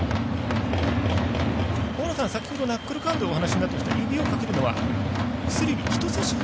大野さん、先ほどナックルカーブとお話になっていた指をかけるのは薬指人さし指？